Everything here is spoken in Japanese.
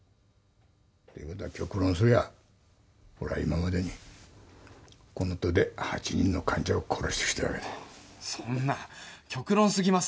つまり極論すれば俺は今までにこの手で８人の患者を殺してきたそんな極論すぎます